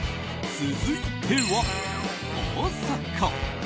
続いては、大阪。